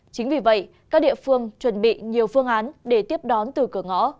chính vì vậy các địa phương chuẩn bị nhiều phương án để tiếp đón từ cửa ngõ